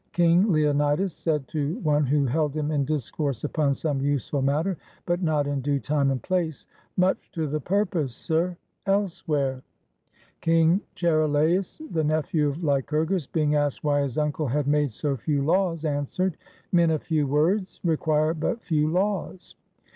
King Leonidas said to one who held him in discourse upon some useful matter, but not in due time and place, "Much to the purpose, sir, else where." King Charilaus, the nephew of Lycurgus, being asked why his uncle had made so few laws, answered, "Men of few words require but few laws."